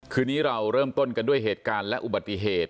คืนนี้เราเริ่มต้นกันด้วยเหตุการณ์และอุบัติเหตุ